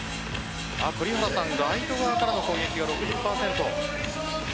栗原さん、ライト側からの攻撃が６０％。